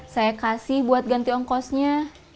saya kasih buat ganti ongkosnya